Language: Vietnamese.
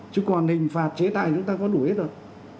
chứ còn hình phạt chế tài chúng ta có đủ hết rồi